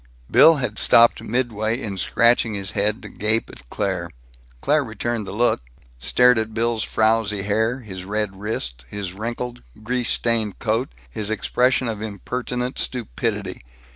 Bill had stopped midway in scratching his head to gape at Claire. Claire returned the look, stared at Bill's frowsy hair, his red wrists, his wrinkled, grease stained coat, his expression of impertinent stupidity.